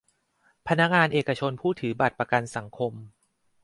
พนักงานเอกชนผู้ถือบัตรประกันสังคม